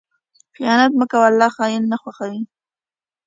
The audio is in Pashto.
خیانت مه کوه، الله خائن نه خوښوي.